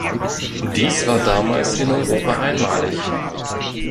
Dies war damals in Europa einmalig.